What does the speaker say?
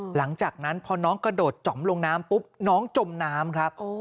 หลังจากนั้นพอน้องกระโดดจ๋อมลงน้ำปุ๊บน้องจมน้ำครับ